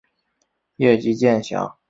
叶基渐狭。